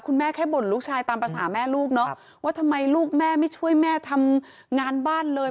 แม่แค่บ่นลูกชายตามภาษาแม่ลูกเนาะว่าทำไมลูกแม่ไม่ช่วยแม่ทำงานบ้านเลย